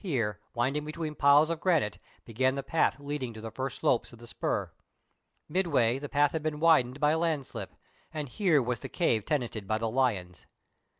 Here, winding between piles of granite, began the path leading to the first slopes of the spur. Midway the path had been widened by a landslip, and here was the cave tenanted by the lions.